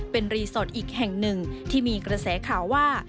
เป็นรีสอร์ทอีกแห่งหนึ่งที่มีกระแสข่าวว่า